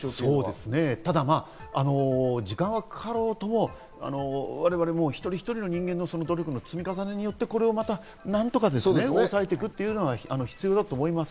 ただ、まぁ時間がかかろうとも、我々一人一人の人間の積み重ねによって何とか抑えていくというのが必要だと思います。